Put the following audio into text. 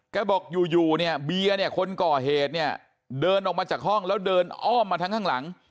บอกอยู่เนี่ยเบียร์เนี่ยคนก่อเหตุเนี่ยเดินออกมาจากห้องแล้วเดินอ้อมมาทั้งข้างหลัง